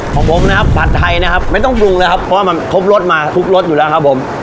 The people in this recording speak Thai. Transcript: ของผมนะครับผัดไทยนะครับไม่ต้องปรุงเลยครับเพราะว่ามันครบรสมาทุกรสอยู่แล้วครับผม